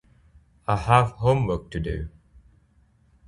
I have homework to do.